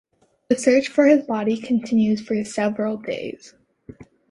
The search for his body continued for several days.